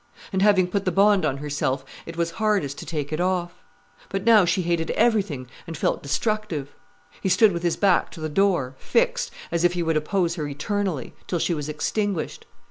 And having put the bond on herself, it was hardest to take it off. But now she hated everything and felt destructive. He stood with his back to the door, fixed, as if he would oppose her eternally, till she was extinguished.